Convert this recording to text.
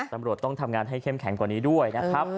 ตำรวจต้องทำงานให้เข้มแข็งกว่านี้ด้วยนะครับ